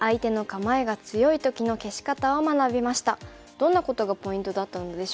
どんなことがポイントだったのでしょうか。